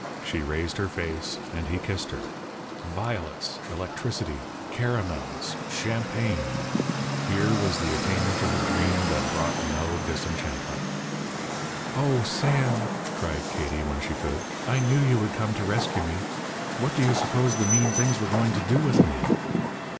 She raised her face, and he kissed her violets! electricity! caramels! champagne! Here was the attainment of a dream that brought no disenchantment. "Oh, Sam," cried Katie, when she could, "I knew you would come to rescue me. What do you suppose the mean things were going to do with me?"